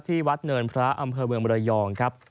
ที่วัดเนินพระอำเภอเมืองบรยองครับ